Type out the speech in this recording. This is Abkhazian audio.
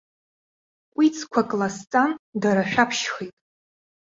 Кәицқәак ласҵан, дара шәаԥшьхеит.